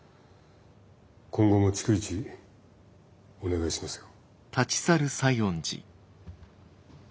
今後も逐一お願いしますよ。